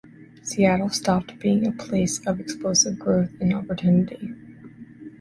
Seattle stopped being a place of explosive growth and opportunity.